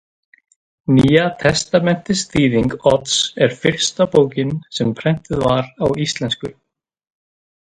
Nýja testamentisþýðing Odds er fyrsta bókin sem prentuð var á íslensku.